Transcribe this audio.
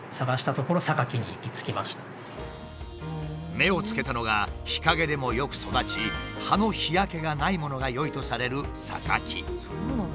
目をつけたのが日陰でもよく育ち葉の日焼けがないものが良いとされるサカキ。